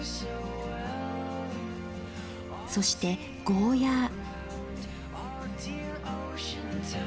そしてゴーヤー。